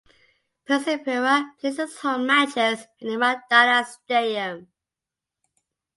Persipura plays its home matches in the Mandala Stadium.